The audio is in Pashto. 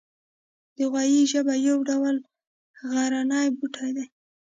د غویي ژبه یو ډول غرنی بوټی دی